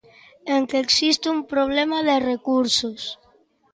En que existe un problema de recursos.